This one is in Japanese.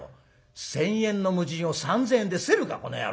１，０００円の無尽を３，０００円で競るかこの野郎。